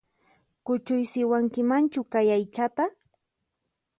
Kuchuysiwankimanchu kay aychata?